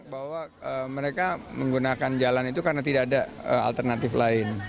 bahwa mereka menggunakan jalan itu karena tidak ada alternatif lain